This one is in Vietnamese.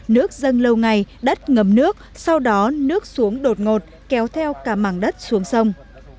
nước dâng lâu ngày đất ngầm nước sau đó nước xuống đột ngột kéo theo cả mảng đất xuống sông